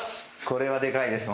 これはでかいです